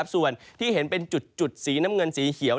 ส่วนที่เห็นเป็นจุดสีน้ำเงินสีเขียว